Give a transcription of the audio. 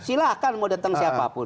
silahkan mau datang siapapun